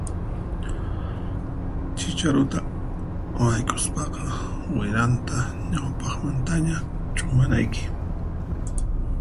Chicharuta wayk'uspaqa wiranta ñawpaqmantaña ch'umanayki.